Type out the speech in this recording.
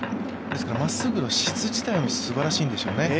まっすぐの質自体もすばらしいんでしょうね。